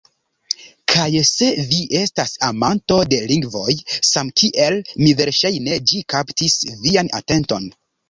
Kaj se vi estas amanto de lingvoj samkiel mi verŝajne ĝi kaptis vian atenton